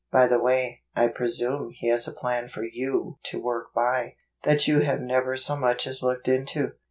By the way, I presume He has a plan for you to work by, that you have never so much as looked into.